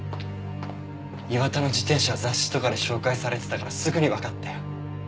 磐田の自転車は雑誌とかで紹介されてたからすぐにわかったよ。